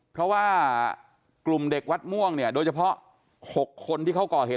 เพราะว่ากลุ่มเด็กวัดม่วงเนี่ยโดยเฉพาะ๖คนที่เขาก่อเหตุ